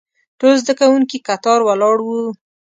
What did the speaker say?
ټول زده کوونکي کتار ولاړ وو.